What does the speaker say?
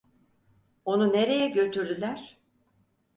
Onu nereye götürdüler?